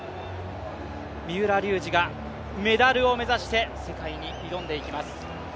三浦龍司がメダルを目指して世界に挑んでいきます。